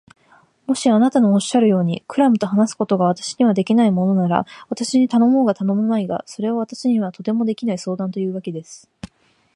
もしあなたのおっしゃるように、クラムと話すことが私にはできないものなら、私に頼もうが頼むまいが、それは私にはとてもできない相談というわけです。